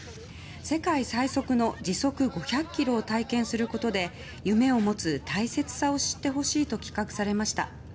世界最速の時速５００キロを体験することで夢を持つ大切さを知ってほしいと企画されました。